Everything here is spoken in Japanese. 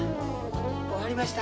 終わりました。